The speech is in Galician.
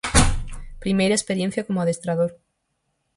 Primeira experiencia como adestrador.